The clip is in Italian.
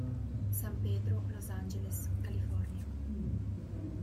San Pedro, Los Angeles, California.